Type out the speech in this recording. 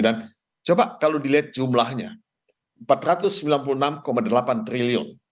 dan coba kalau dilihat jumlahnya empat ratus sembilan puluh enam delapan triliun